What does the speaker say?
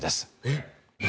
えっ！